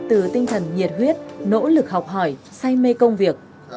từ tinh thần nhiệt huyết nỗ lực học hỏi say mê công việc